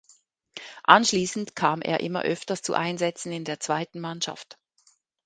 Anschließend kam er immer öfters zu Einsätzen in der zweiten Mannschaft.